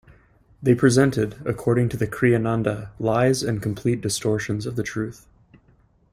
They presented, according to Kriyananda, lies and complete distortions of the truth.